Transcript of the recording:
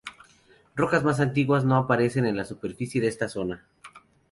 Rocas más antiguas no aparecen en la superficie de esta zona.